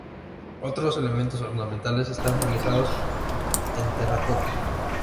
Otros elementos ornamentales están realizados en terracota.